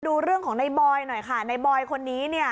ดูเรื่องของนายบอยค่ะนายบอยคนนี้เนี่ย